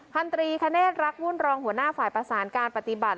พันธรีคเนธรักวุ่นรองหัวหน้าฝ่ายประสานการปฏิบัติ